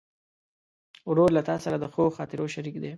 ورور له تا سره د ښو خاطرو شریک دی.